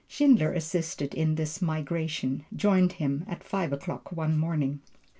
Schindler assisted in this migration, joining him at five o'clock one morning.